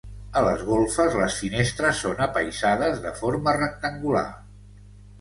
A les golfes les finestres són apaïsades de forma rectangular.